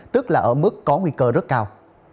tức là ở mức có nguy cơ rất cao